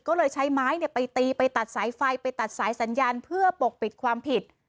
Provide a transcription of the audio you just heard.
ก็เลยใช้ไม้ไปตีไปตัดสายไฟไปตัดสายสัญญาณเพื่อปกปิดความผิด